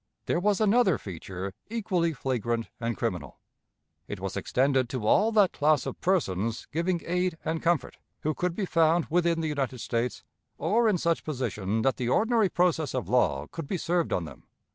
There was another feature equally flagrant and criminal. It was extended to all that class of persons giving aid and comfort, who could be found within the United States, or in such position that the ordinary process of law could be served on them.